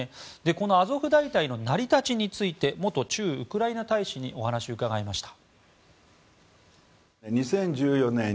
このアゾフ大隊の成り立ちについて元駐ウクライナ大使にお話を伺いました。